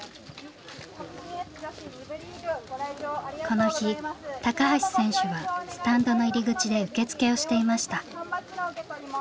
この日橋選手はスタンドの入り口で受付をしていました。